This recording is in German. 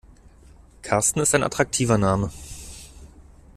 Karsten ist ein attraktiver Name.